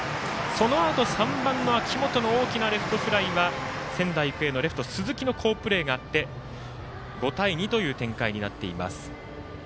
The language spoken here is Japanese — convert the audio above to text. そのあと、３番、秋元の大きなレフトフライは仙台育英のレフト、鈴木の好プレーがあって５対２という展開になっています。